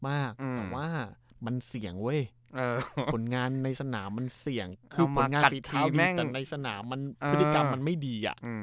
แต่ว่ามันเสี่ยงเว้ยผลงานในสนามมันเสี่ยงคือผลงานฝีเท้าแต่ในสนามมันพฤติกรรมมันไม่ดี